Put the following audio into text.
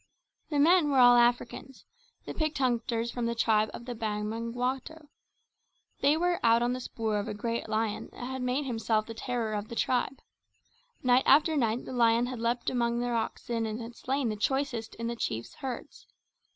The men were all Africans, the picked hunters from the tribe of the Bamangwato. They were out on the spoor of a great lion that had made himself the terror of the tribe. Night after night the lion had leapt among their oxen and had slain the choicest in the chief's herds.